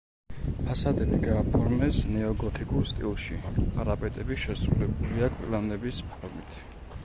ფასადები გააფორმეს ნეოგოთიკურ სტილში, პარაპეტები შესრულებულია კბილანების ფორმით.